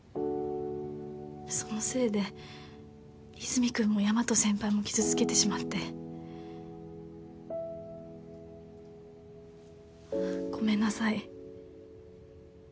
そのせいで和泉君も大和先輩も傷つけてしまってごめんなさい